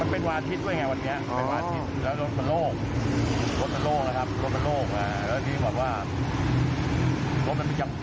เพราะว่าเขามองไม่เห็นอีกเปล่าเพราะว่าจาก